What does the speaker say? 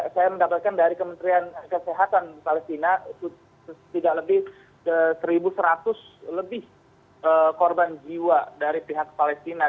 saya mendapatkan dari kementerian kesehatan palestina tidak lebih satu seratus lebih korban jiwa dari pihak palestina